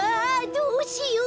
どうしよう！